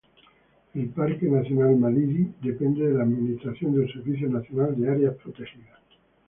El Parque Nacional Madidi, depende de la administración del Servicio Nacional de Áreas Protegidas.